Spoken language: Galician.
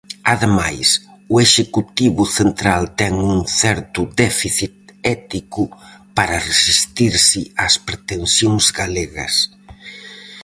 Ademais, o executivo central ten un certo déficit ético para resistirse ás pretensións galegas.